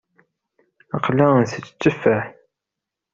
Aql-aɣ ntett tteffaḥ.